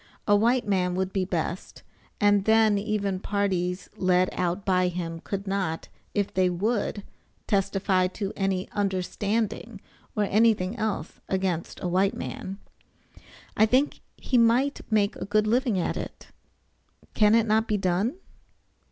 A white man would be best, and then even parties led out by him could not, if they would, testify to any understanding or anything else against a white man. I think he might make a good living at it. Can it not be done?